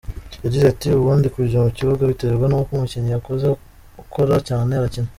Yagize ati “Ubundi kujya mu kibuga biterwa n’uko umukinnyi yakoze, ukora cyane arakina.